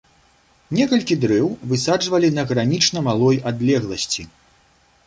Некалькі дрэў высаджвалі на гранічна малой адлегласці.